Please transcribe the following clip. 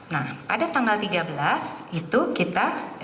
nah pada tanggal tiga belas itu kita